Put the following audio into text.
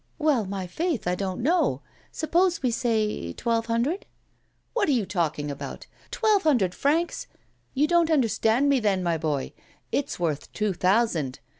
'"Well, my faith, I don't know. Suppose we say twelve hundred?" '"What are you talking about? Twelve hundred francs! You don't understand me, then, my boy; it's worth two thousand.